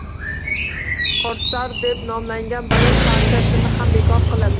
«Korsar» deb nomlangan balet konsertini ham bekor qilib